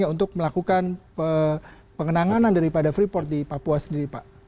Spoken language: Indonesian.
untuk melakukan pengenangan daripada freeport di papua sendiri pak